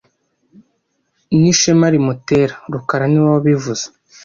Ni ishema rimutera rukara niwe wabivuze